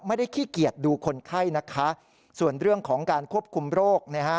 ขี้เกียจดูคนไข้นะคะส่วนเรื่องของการควบคุมโรคนะฮะ